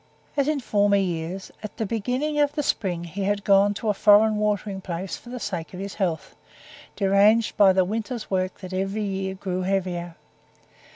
As in former years, at the beginning of the spring he had gone to a foreign watering place for the sake of his health, deranged by the winter's work that every year grew heavier.